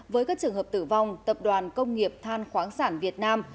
với các trường hợp tử vong tập đoàn công nghiệp than khoáng sản việt nam